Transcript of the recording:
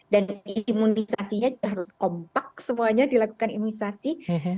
dan imunisasinya harus kompak semuanya dilakukan imunisasi